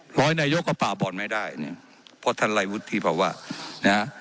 บริหารนายกก็ป่าวบ่อนไม่ได้นี่พอท่านไล้วุฒิภาวะนะครับ